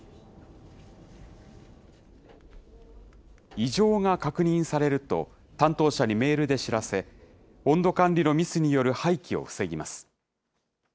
異常が確認されると、担当者にメールで知らせ、温度管理のミスによる廃棄を防ぎます。